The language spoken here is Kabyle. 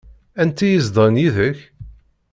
Anti ay izedɣen yid-k?